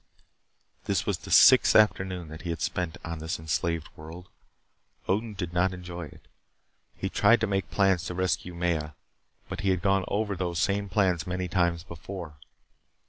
This was the sixth afternoon that he had spent on this enslaved world. Odin did not enjoy it. He tried to make plans to rescue Maya, but he had gone over those same plans many times before.